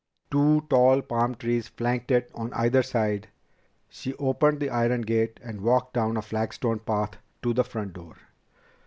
Two tall palm trees flanked it on either side. She opened the iron gate and walked down a flagstone path to the front door.